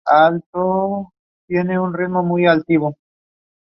The plant flowers from summer to fall.